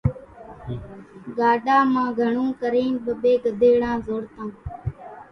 ڳاڏا مان گھڻون ڪرينَ ٻٻيَ ڳڌيڙان زوڙتان۔